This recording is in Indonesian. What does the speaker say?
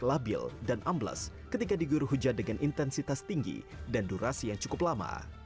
labil dan ambles ketika diguruh hujan dengan intensitas tinggi dan durasi yang cukup lama